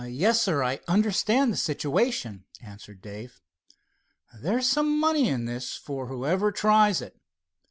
"Yes, sir, I understand the situation," answered Dave. "There's some money in this for whoever tries it.